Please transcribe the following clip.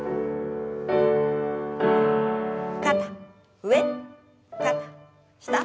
肩上肩下。